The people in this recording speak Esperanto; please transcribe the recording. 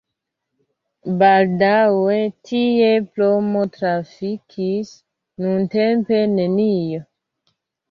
Baldaŭe tie pramo trafikis, nuntempe nenio.